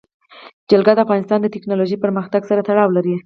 جلګه د افغانستان د تکنالوژۍ پرمختګ سره تړاو لري.